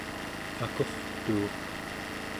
akurtuuq